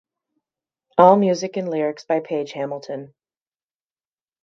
All music and lyrics by Page Hamilton.